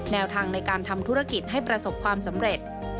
แนวทางในการทำธุรกิจให้ประสบความสำเร็จ